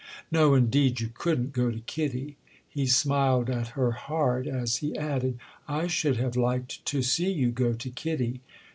"No indeed, you couldn't go to Kitty." He smiled at her hard as he added: "I should have liked to see you go to Kitty!